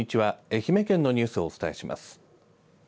愛媛県のニュースをお伝えします。